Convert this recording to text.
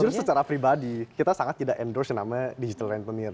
jujur secara pribadi kita sangat tidak endorse yang namanya digital rent to meer